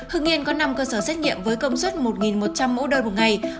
hương yên có năm cơ sở xét nghiệm với công suất một một trăm linh mũ đôi một ngày